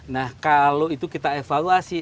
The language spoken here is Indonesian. nah kalau itu kita evaluasi